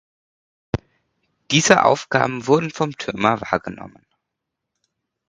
Diese Aufgaben wurden vom Türmer wahrgenommen.